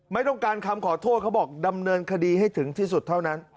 ไม่ต้องการคำขอโทษเขาบอกดำเนินคดีให้ถึงที่สุดเท่านั้น